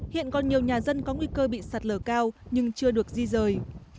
hiện còn nhiều nhà dân có nguy cơ bị sạt lở cao nhưng chưa được duy dời